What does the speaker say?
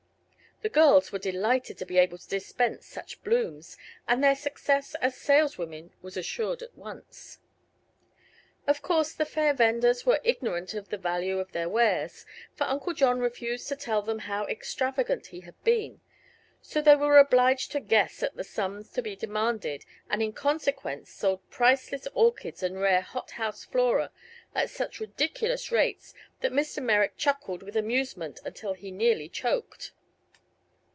The girls were delighted to be able to dispense such blooms, and their success as saleswomen was assured at once. Of course the fair vendors were ignorant of the value of their wares, for Uncle John refused to tell them how extravagant he had been; so they were obliged to guess at the sums to be demanded and in consequence sold priceless orchids and rare hothouse flora at such ridiculous rates that Mr. Merrick chuckled with amusement until he nearly choked.